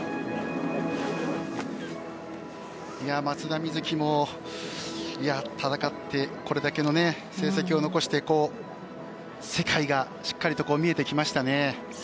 松田瑞生も戦ってこれだけの成績を残して世界がしっかりと見えてきましたね。